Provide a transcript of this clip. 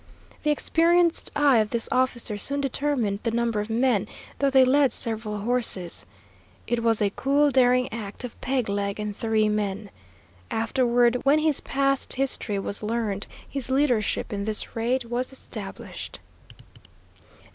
The experienced eye of this officer soon determined the number of men, though they led several horses. It was a cool, daring act of Peg Leg and three men. Afterward, when his past history was learned, his leadership in this raid was established.